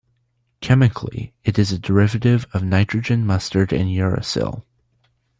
Chemically it is a derivative of nitrogen mustard and uracil.